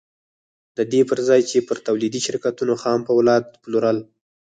د دې پر ځای يې پر توليدي شرکتونو خام پولاد پلورل.